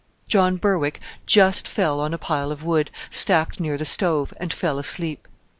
John Berwick just fell on a pile of wood, stacked near the stove, and fell asleep.